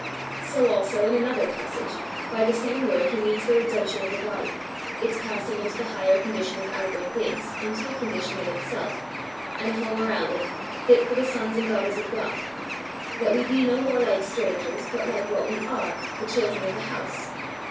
So also, in another passage, by the same word he means the redemption of the body its passing into the higher condition of outward things, into a condition in itself, and a home around it, fit for the sons and daughters of God that we be no more like strangers, but like what we are, the children of the house.